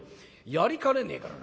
やりかねねえからな。